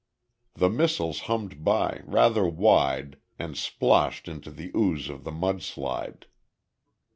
The missiles hummed by, rather wide, and sploshed into the ooze of the mud slide.